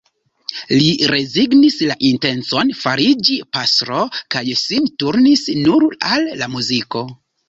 Li rezignis la intencon fariĝi pastro kaj sin turnis nur al la muziko.